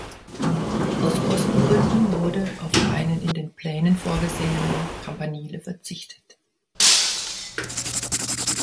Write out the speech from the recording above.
Aus Kostengründen wurde auf einen in den Plänen vorgesehenen Campanile verzichtet.